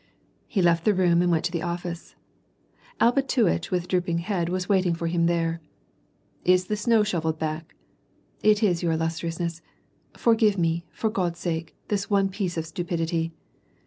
He left the room and went to the ofl&ce. Alpatuitch, with drooping head, was waiting for him there. " Is the snow shovelled back ?"" It is, your illustriousness ; forgive me, for God's sake, this one piece of stupidity.